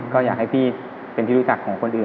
ก็อยากให้พี่เป็นที่รู้จักของคนอื่น